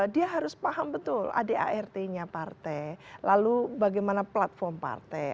dia harus paham betul adart nya partai lalu bagaimana platform partai